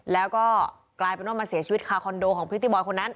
แล้วก็กลายเป็นว่ามาเสียชีวิตคาคอนโดของพริตตี้บอยคนนั้น